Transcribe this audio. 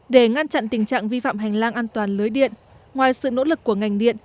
để ngăn chặn tình trạng vi phạm hành lang an toàn lưới điện ngoài sự nỗ lực của ngành điện